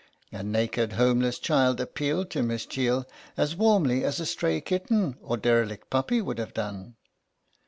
A naked homeless child appealed to Miss Van Cheele as warmly as a stray kitten or derelict puppy would have done.